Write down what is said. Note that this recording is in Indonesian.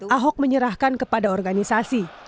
ahok menyerahkan kepada organisasi